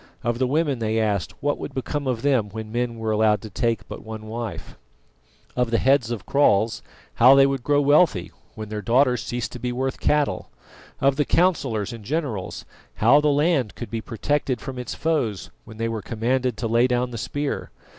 Of the women they asked what would become of them when men were allowed to take but one wife? Of the heads of kraals, how they would grow wealthy when their daughters ceased to be worth cattle? Of the councillors and generals, how the land could be protected from its foes when they were commanded to lay down the spear?